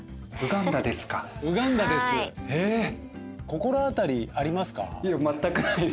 心当たりありますか？